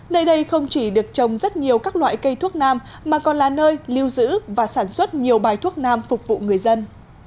nơi đây không chỉ được trồng rất nhiều các loại cây thuốc nam mà còn là nơi lưu giữ và sản xuất nhiều bài thuốc nam phục vụ người dân